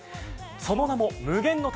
その名も、無限の谷。